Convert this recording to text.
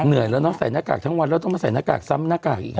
แล้วเนอะใส่หน้ากากทั้งวันแล้วต้องมาใส่หน้ากากซ้ำหน้ากากอีก